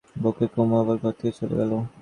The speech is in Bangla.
বলে কুমু আবার ঘর থেকে চলে গেল।